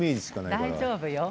大丈夫よ。